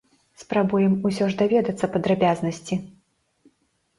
Спрабуем усё ж даведацца падрабязнасці.